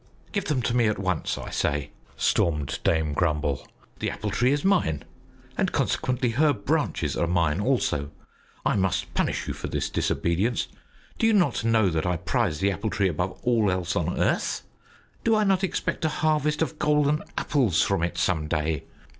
"Give them to me at once, I say!" stormed Dame Grumble. "The Apple Tree is mine, and consequently her branches are mine also. I must punish you for this disobedience. Do you not know that I prize the Apple Tree above all else on earth? Do I not expect a harvest of golden apples from it some day?